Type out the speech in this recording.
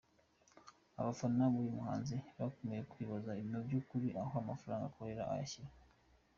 Abafana b’uyu muhanzi bakomeje kwibaza mu by’ukuri aho amafaranga akorera ayashyira.